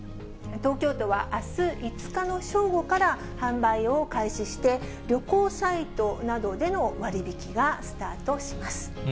東京都はあす５日の正午から販売を開始して、旅行サイトなどでの割引がスタートします。